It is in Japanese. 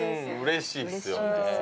嬉しいですよね。